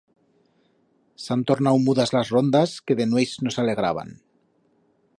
S'han tornau mudas las rondas que de nueits nos alegraban.